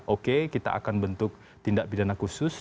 oke kita akan bentuk tindak pidana khusus